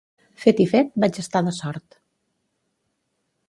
Fet i fet vaig estar de sort.